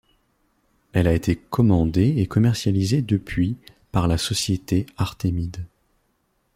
Elle a été commandée et commercialisée depuis par la société Artemide.